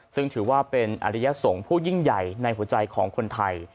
ซึ่งถือว่าเป็นอริยสงฆ์ผู้ยิ่งใหญ่ในหัวใจของคนไทย